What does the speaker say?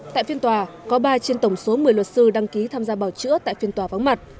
tại phiên tòa có ba trên tổng số một mươi luật sư đăng ký tham gia bảo chữa tại phiên tòa vắng mặt